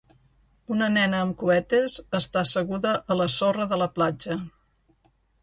Una nena amb cuetes està asseguda a la sorra de la platja.